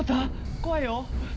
怖いよ。